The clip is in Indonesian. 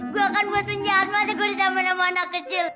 gue kan bos penjahat masa gue disamain sama anak kecil